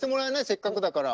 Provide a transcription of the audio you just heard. せっかくだから。